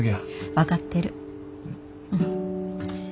分かってる。